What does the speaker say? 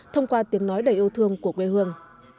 thông qua tiếng nói đầy yêu thương của quê hương